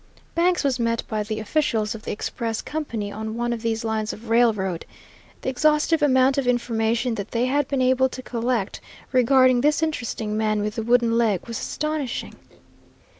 Banks was met by the officials of the express company on one of these lines of railroad. The exhaustive amount of information that they had been able to collect regarding this interesting man with the wooden leg was astonishing.